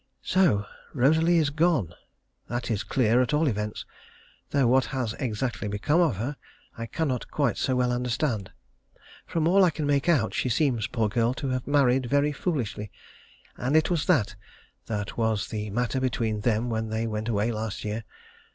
So Rosalie is gone. That is clear at all events, though what has exactly become of her I cannot quite so well understand. From all I can make out, she seems, poor girl, to have married very foolishly, and it was that that was the matter between them when they went away last year.